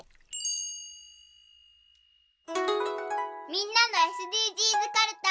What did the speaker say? みんなのＳＤＧｓかるた。